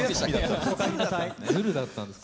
ずるだったんですか。